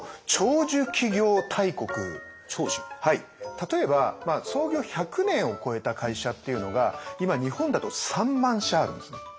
はい例えば創業１００年を超えた会社っていうのが今日本だと３万社あるんですね。